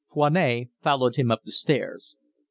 Foinet followed him up the stairs.